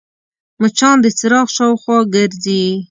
مچان د څراغ شاوخوا ګرځي